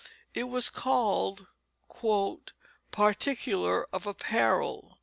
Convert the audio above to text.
It was called a "Particular of Apparell."